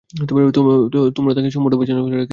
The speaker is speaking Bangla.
তোমরা তাকে সম্পূর্ণ পেছনে ফেলে রেখেছ।